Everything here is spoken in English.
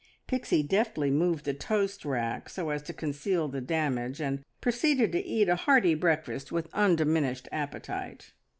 Pixie deftly moved the toast rack so as to conceal the damage, and proceeded to eat a hearty breakfast with undiminished appetite.